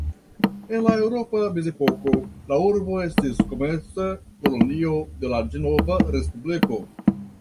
En la eŭropa mezepoko, la urbo estis komerca kolonio de la Ĝenova Respubliko.